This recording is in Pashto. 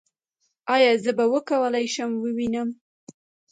ایا زه به وکولی شم ووینم؟